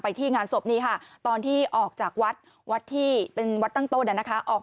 ที่งานศพนี่ค่ะตอนที่ออกจากวัดวัดที่เป็นวัดตั้งต้นนะคะออก